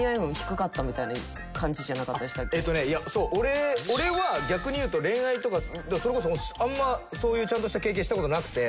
えっとねいやそう俺は逆に言うと恋愛とかそれこそあんまそういうちゃんとした経験した事なくて。